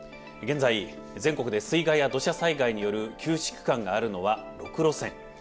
現在全国で水害や土砂災害による休止区間があるのは６路線。